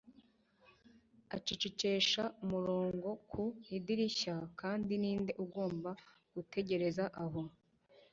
Acecekesha umurongo ku idirishya, kandi ninde ugomba gutegereza aho